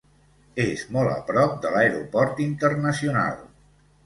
És molt a prop de l'aeroport internacional.